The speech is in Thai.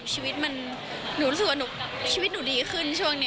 ชีวิตมันหนูรู้สึกว่าชีวิตหนูดีขึ้นช่วงนี้